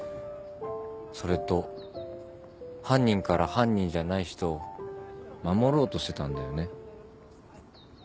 それと犯人から犯人じゃない人を守ろうとしてたんだよね。